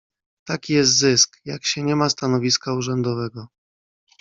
"Taki jest zysk, jak się nie ma stanowiska urzędowego."